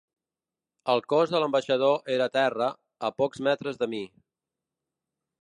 El cos de l’ambaixador era a terra, a pocs metres de mi.